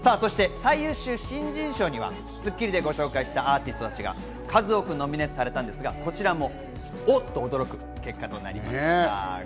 最優秀新人賞には『スッキリ』でご紹介したアーティストたちが数多くノミネートされたんですが、こちらもおっ！と、驚く結果となりました。